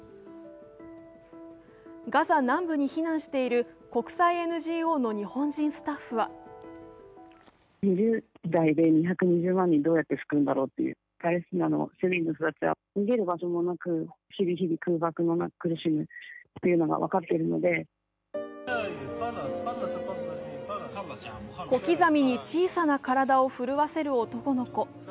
ガザ南部に避難している国際ＮＧＯの日本人スタッフは小刻みに小さな体を震わせる男の子。